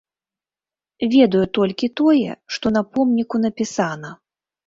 Ведаю толькі тое, што на помніку напісана.